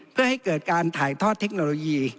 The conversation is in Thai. เพื่อให้เกิดการถ่ายทอดเทคโนโลยี